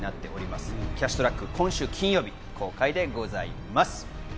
『キャッシュトラック』今週金曜日公開です。